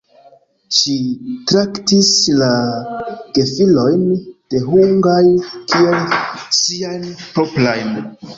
Si traktis la gefilojn de Huang kiel siajn proprajn.